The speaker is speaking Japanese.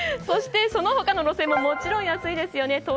そして、その他の路線ももちろん安いですよね。